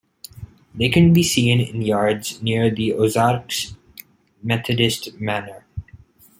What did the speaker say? They can be seen in yards near the Ozarks Methodist Manor.